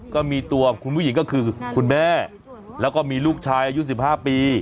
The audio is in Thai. ก็มีตัวคุณผู้หญิงก็คือคุณแม่แล้วก็มีลูกชายอายุ๑๕ปี